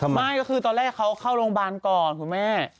ไม่ก็คือตอนแรกเขาเข้าโรงพยาบาลก่อนคุณแม่